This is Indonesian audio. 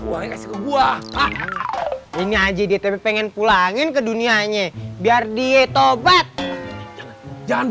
uang kasih ke buah ini aja dia tapi pengen pulangin ke dunianya biar dia topet jangan